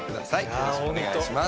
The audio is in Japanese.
よろしくお願いします。